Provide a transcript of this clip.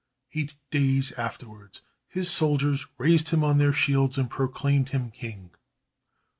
Eight days afterward, his soldiers raised him on their shields and proclaimed him king.